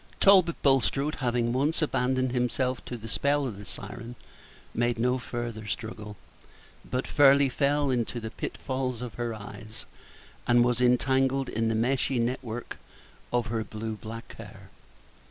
Talbot Bulstrode, having once abandoned himself to the spell of the siren, made no farther struggle, but fairly fell into the pitfalls of her eyes, and was entangled in the meshy net work of her blue black hair.